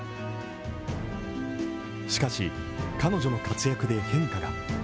しかし、彼女の活躍で変化が。